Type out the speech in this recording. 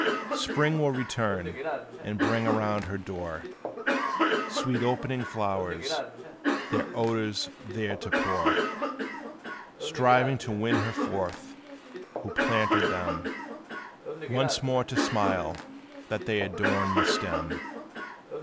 _" Spring will return, and bring around her door Sweet opening flowers, their odors there to pour, Striving to win her forth, who planted them, Once more to smile that they adorn the stem.